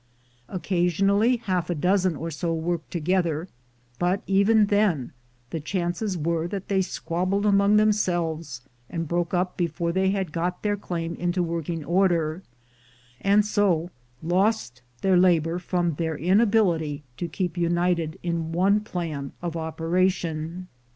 Occa sionally half a dozen or so worked together, but even then the chances were that they squabbled among themselves, and broke up before they had got their claim into working order, and so lost their labor from their inability to keep united in one plan of operation.